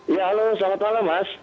ya halo selamat malam mas